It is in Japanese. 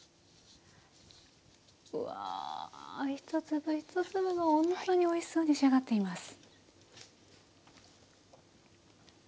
うわ一粒一粒がほんとにおいしそうに仕上がっています。